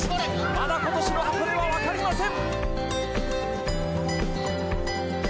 まだ今年の箱根はわかりません！